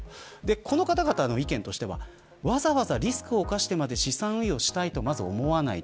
この方々の意見としてはわざわざリスクを冒してまで資産運用をしたいと思わない。